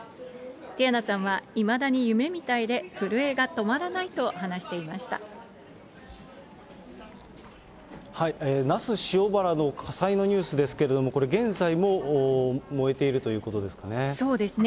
ティヤナさんは、いまだに夢みたいで震えが止まらないと話してい那須塩原の火災のニュースですけれども、これ、現在も燃えているということですかね。